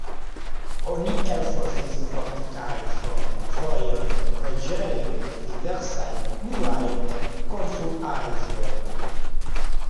Oni elfosis fortikaĵon, vojojn, preĝejojn, diversajn pluajn konstruaĵojn.